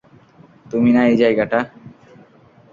তুমি না, এই জায়গাটা!